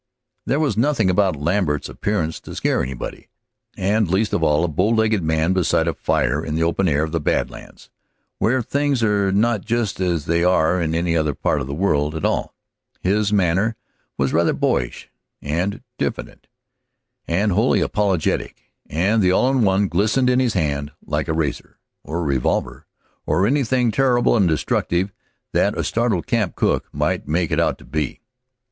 There was nothing about Lambert's appearance to scare anybody, and least of all a bow legged man beside a fire in the open air of the Bad Lands, where things are not just as they are in any other part of this world at all. His manner was rather boyish and diffident, and wholly apologetic, and the All in One glistened in his hand like a razor, or a revolver, or anything terrible and destructive that a startled camp cook might make it out to be.